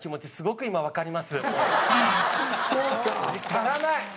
足らない。